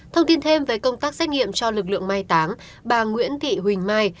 thông tin thêm về công tác xét nghiệm cho lực lượng mai táng bà nguyễn thị huỳnh mai